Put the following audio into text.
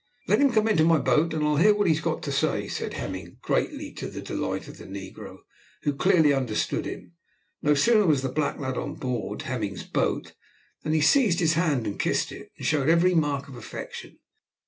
"Let him come into my boat, and I'll hear what he has got to say," said Hemming, greatly to the delight of the negro, who clearly understood him. No sooner was the black lad on board Hemming's boat, than he seized his hand and kissed it, and showed every mark of affection.